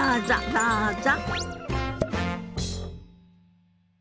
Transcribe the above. どうぞ。